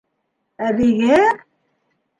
Әбейгә?!